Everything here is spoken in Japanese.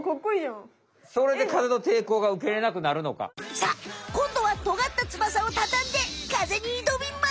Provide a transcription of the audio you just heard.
さあこんどはトガった翼をたたんで風にいどみます！